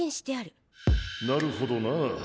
なるほどな。